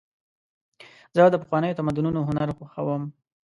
زه د پخوانیو تمدنونو هنر خوښوم.